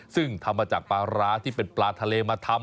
ซึ่งทำมาจากปลาร้าที่เป็นปลาทะเลมาทำ